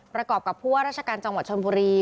ประกอบกับผู้ว่าราชการจังหวัดชนบุรี